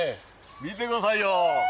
見てくださいよ。